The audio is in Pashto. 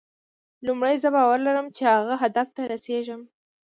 لومړی زه باور لرم چې هغه هدف ته رسېږم.